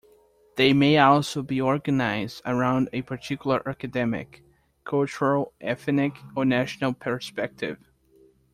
They may also be organized around a particular academic, cultural, ethnic, or national perspective.